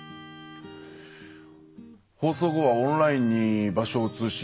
放送後はオンラインに場所を移し